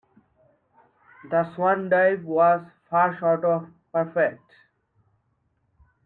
The swan dive was far short of perfect.